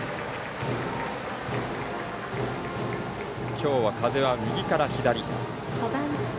きょうは風は右から左。